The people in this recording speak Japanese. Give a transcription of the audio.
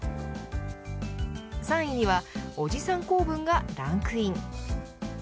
３位はおじさん構文がランクイン。